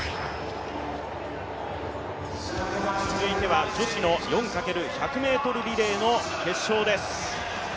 続いては女子の４×１００ｍリレーの決勝です。